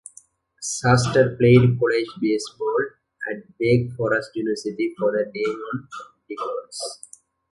Shuster played college baseball at Wake Forest University for the Demon Deacons.